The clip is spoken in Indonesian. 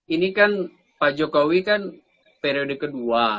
ini kan pak jokowi kan periode kedua